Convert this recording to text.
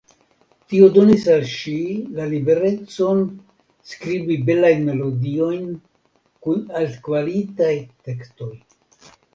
Tio donis al ŝi la liberecon skribi belajn melodiojn kun altkvalitaj tekstoj.